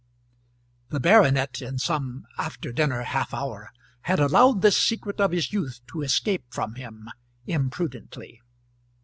The baronet in some after dinner half hour had allowed this secret of his youth to escape from him, imprudently.